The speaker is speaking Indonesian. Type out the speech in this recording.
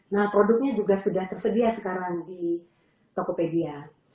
nah produknya juga sudah tersedia sekarang di tokopedia